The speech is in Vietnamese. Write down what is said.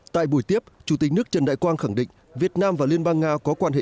tại buổi tiếp chủ tịch nước trần đại quang khẳng định việt nam và liên bang nga có quan hệ